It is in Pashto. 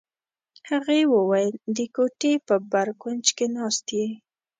هغې وویل: د کوټې په بر کونج کې ناست یې.